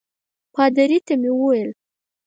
پادري ته مې وویل.